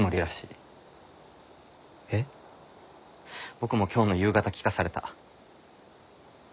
僕も今日の夕方聞かされた。